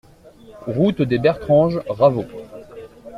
Route des Bertranges, Raveau